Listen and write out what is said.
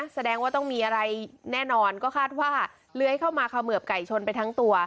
แสดงว่าต้องมีอะไรแน่นอนก็คาดว่าเลื้อยเข้ามาเขมือบไก่ชนไปทั้งตัว